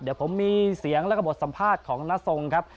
เดี๋ยวผมมีเสียงแล้วก็บทสัมภาษณ์ของน้าทรงครับ